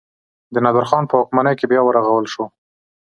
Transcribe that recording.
د نادر خان په واکمنۍ کې بیا ورغول شو.